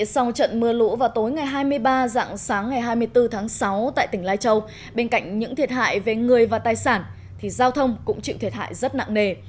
sau trận mưa lũ vào tối ngày hai mươi ba dạng sáng ngày hai mươi bốn tháng sáu tại tỉnh lai châu bên cạnh những thiệt hại về người và tài sản thì giao thông cũng chịu thiệt hại rất nặng nề